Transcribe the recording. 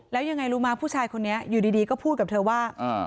แล้วยังไงรู้มั้ยผู้ชายคนนี้อยู่ดีก็พูดกับเธอว่า